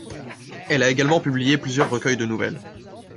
Elle a également publié plusieurs recueils de nouvelles.